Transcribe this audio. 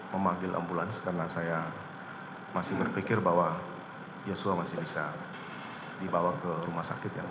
memanggil ambulans karena saya masih berpikir bahwa yosua masih bisa dibawa ke rumah sakit